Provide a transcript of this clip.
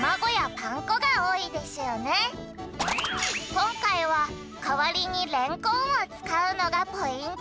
こんかいはかわりにれんこんを使うのがポイント！